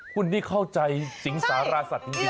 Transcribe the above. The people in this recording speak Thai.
คุณนี่เข้าใจสิงสาราสัตว์จริง